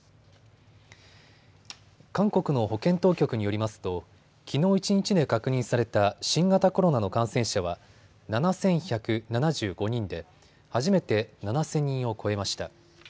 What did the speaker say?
韓国の保健当局によりますときのう一日で確認された新型コロナの感染者は７１７５人で初めて７０００人を超えました。